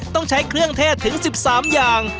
ต้องใช้เครื่องเทศถึง๑๓อย่าง